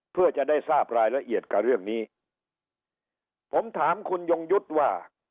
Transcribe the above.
เพื่อจะได้ทราบรายละเอียดกับเรื่องนี้ผมถามคุณยงยุทธ์ว่า